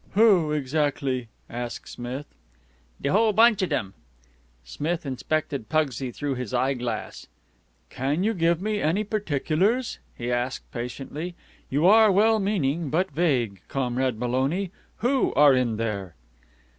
"Who, exactly?" asked Smith. "De whole bunch of dem." Smith inspected Pugsy through his eyeglass. "Can you give me any particulars?" he asked patiently. "You are well meaning, but vague, Comrade Maloney. Who are in there?"